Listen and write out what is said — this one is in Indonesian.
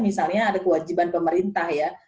misalnya ada kewajiban pemerintah ya